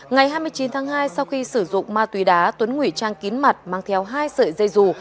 ngày hai mươi chín tháng hai sau khi sử dụng ma túy đá tuấn ngủy trang kín mặt mang theo hai sợi dây dù